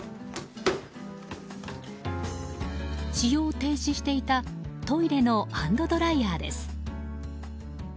使用停止していたトイレのハンドドライヤーです。